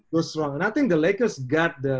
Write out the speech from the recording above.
kuat dan saya pikir lakers punya